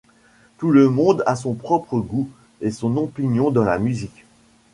Tout le monde a son propre goût et son opinion dans la musique.